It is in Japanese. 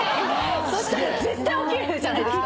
そしたら絶対起きれるじゃないですか。